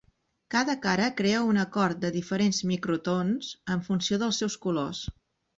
Cada cara crea un acord de diferents microtons en funció dels seus colors.